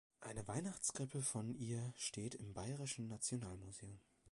Eine Weihnachtskrippe von ihr steht im Bayerischen Nationalmuseum.